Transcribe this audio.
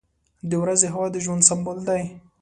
• د ورځې هوا د ژوند سمبول دی.